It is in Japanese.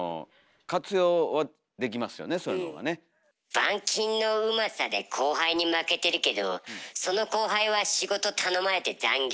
板金のうまさで後輩に負けてるけどその後輩は仕事頼まれて残業。